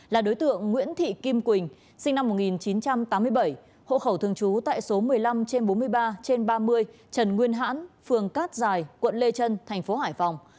là đối tượng nguyễn thị kim quỳnh sinh năm một nghìn chín trăm tám mươi bảy hộ khẩu thường trú tại số một mươi năm trên bốn mươi ba trên ba mươi trần nguyên hãn phường cát dài quận lê trân thành phố hải phòng